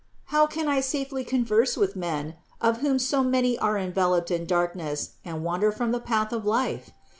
How can I safely converse with men, of whom so many are enveloped in darkness and wander from the path of life